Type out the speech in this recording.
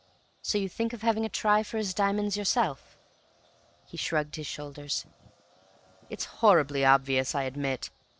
"So you think of having a try for his diamonds yourself?" He shrugged his shoulders. "It is horribly obvious, I admit.